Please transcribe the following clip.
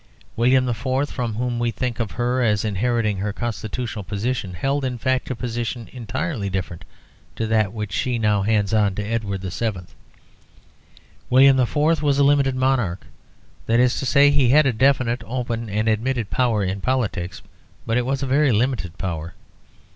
William IV., from whom we think of her as inheriting her Constitutional position, held in fact a position entirely different to that which she now hands on to Edward VII. William IV. was a limited monarch; that is to say, he had a definite, open, and admitted power in politics, but it was a limited power.